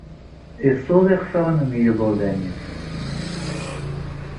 Isuḍ iɣfawen n yiḍudan-nnes.